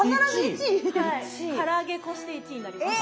から揚げこして１位になります。